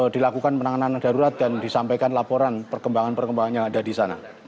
dilakukan penanganan darurat dan disampaikan laporan perkembangan perkembangan yang ada di sana